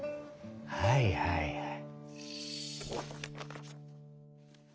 はいはいはい。